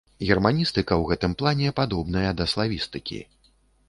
Германістыка ў гэтым плане падобная да славістыкі.